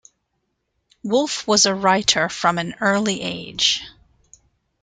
Wolfe was a writer from an early age.